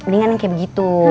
ini kan yang kayak begitu